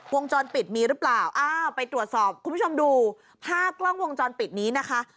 วงจรปิดมีหรือเปล่าอ้าวไปตรวจสอบคุณผู้ชมดูภาพกล้องวงจรปิดนี้นะคะ